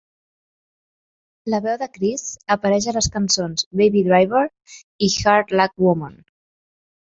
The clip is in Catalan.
La veu de Criss apareix a les cançons "Baby Driver" i "Hard Luck Woman".